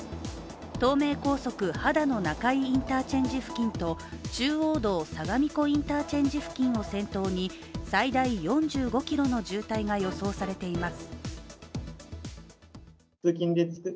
東名高速・秦野中井インターチェンジと中央道・相模湖インターチェンジ付近を先頭に最大４５ｋｍの渋滞が予想されています。